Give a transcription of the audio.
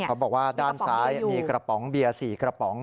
เขาบอกว่าด้านซ้ายมีกระป๋องเบียร์๔กระป๋อง